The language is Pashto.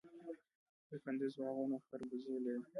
د کندز باغونه خربوزې لري.